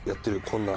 こんな。